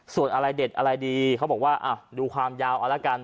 ส่วนอะไรเด็ดอะไรดีเขาบอกว่าดูความยาวเอาละกัน